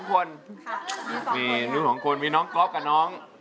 มี๒คนครับมีลูก๒คนมีน้องก๊อปกับน้อง